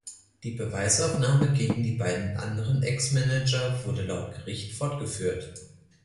Die Beweisaufnahme gegen die beiden anderen Ex-Manager wurde laut Gericht fortgeführt.